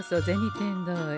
天堂へ。